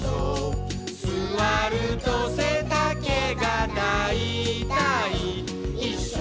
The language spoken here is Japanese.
「すわるとせたけがだいたいいっしょ」